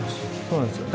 そうなんですよ。